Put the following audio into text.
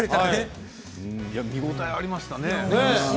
見応えがありましたね。